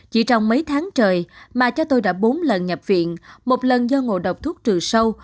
chỉ trong mấy tháng trời mà cha tôi đã bốn lần nhập viện một lần do ngộ độc thuốc trừ sâu